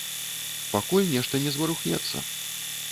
Пакуль нешта не зварухнецца.